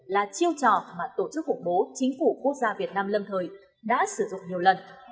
là chiêu trò mà tổ chức khủng bố chính phủ quốc gia việt nam lâm thời đã sử dụng nhiều lần